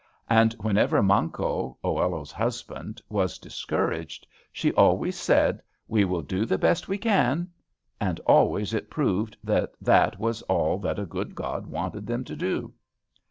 And whenever Manco, Oello's husband, was discouraged, she always said, "We will do the best we can," and always it proved that that was all that a good God wanted them to do.